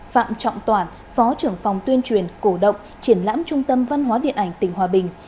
phạm trọng toản phó trưởng phòng tuyên truyền cổ động triển lãm trung tâm văn hóa điện ảnh tỉnh hòa bình